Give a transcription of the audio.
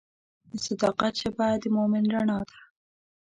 د صداقت ژبه د مؤمن رڼا ده.